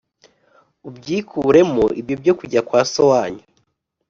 ubyikuremo ibyo byo kujya kwa so wanyu?